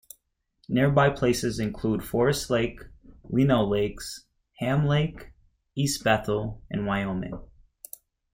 Nearby places include Forest Lake, Lino Lakes, Ham Lake, East Bethel, and Wyoming.